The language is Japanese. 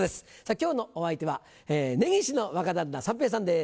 今日のお相手はねぎしの若旦那三平さんです。